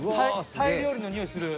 タイ料理の匂いする。